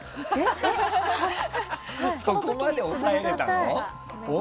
そこまで押さえてたの？